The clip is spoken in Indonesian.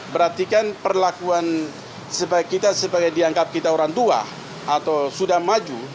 berarti kan perlakuan kita sebagai dianggap kita orang tua atau sudah maju